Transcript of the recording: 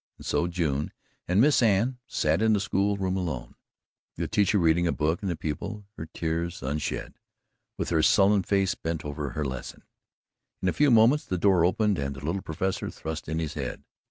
And so June and Miss Anne sat in the school room alone the teacher reading a book, and the pupil her tears unshed with her sullen face bent over her lesson. In a few moments the door opened and the little Professor thrust in his head.